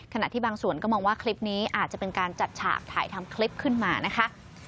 ขณะที่บางส่วนก็มองว่าคลิปนี้อาจจะเป็นการจัดฉากถ่ายทำคลิปขึ้นมานะคะ